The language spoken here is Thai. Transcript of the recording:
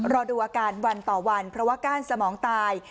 รอดูอาการวันต่อวันเพราะว่าก้านสมองตาย